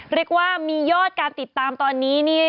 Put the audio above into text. เรียกว่ามียอดการติดตามตอนนี้